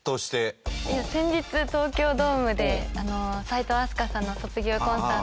先日東京ドームで齋藤飛鳥さんの卒業コンサートをしたんですけど。